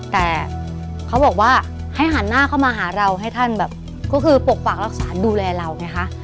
แต่เขาบอกว่าให้หันหน้าเข้ามาหาเราให้ท่านแบบก็คือปกปักรักษาดูแลเราไงคะ